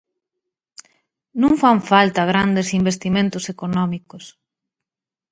Non fan falta grandes investimentos económicos.